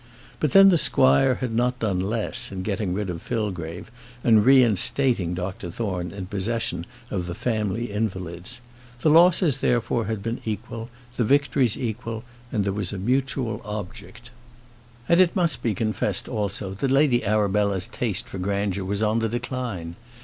But then the squire had not done less in getting rid of Fillgrave and reinstating Dr Thorne in possession of the family invalids. The losses, therefore, had been equal; the victories equal; and there was a mutual object. And it must be confessed, also, that Lady Arabella's taste for grandeur was on the decline.